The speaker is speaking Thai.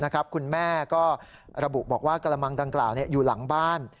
คุณแม่ก็ระบุบอกว่ากระมังดังกล่าวอยู่หลังบ้าน